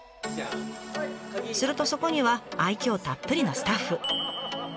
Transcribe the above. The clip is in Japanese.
するとそこには愛きょうたっぷりのスタッフ。